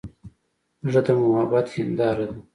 زړه د محبت هنداره ده.